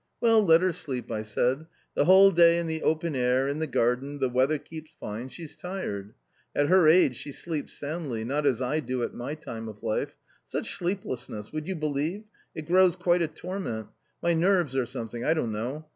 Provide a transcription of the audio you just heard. " Well, let her sleep," I said, the whole day in the open air, in the garden, the weather keeps fine, she's tired. At her age she sleeps soundly, not as I do at my time of life ; such sleep lessness — would you believe — it grows quite a torment ; my nerves, or something, I don't know.